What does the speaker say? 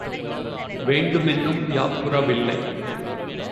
வேண்டு மென்னும் யாப்புறவில்லை.